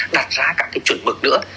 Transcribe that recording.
đặt ra các cái chuẩn mực nữa